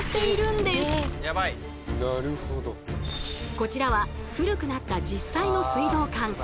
こちらは古くなった実際の水道管。